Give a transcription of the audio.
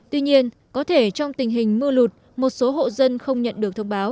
tuy nhiên có thể trong tình hình mưa lụt một số hộ dân không nhận được thông báo